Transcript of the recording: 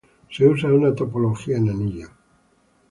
Se usa una topología en anillo.